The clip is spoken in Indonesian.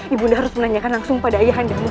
ibunda harus menanyakan langsung pada ayah anda